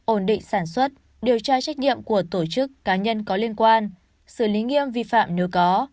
ổn định sản xuất điều tra trách nhiệm của tổ chức cá nhân có liên quan xử lý nghiêm vi phạm nếu có